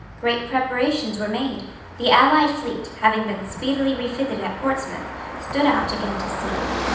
Great preparations were made. The allied fleet, having been speedily refitted at Portsmouth, stood out again to sea.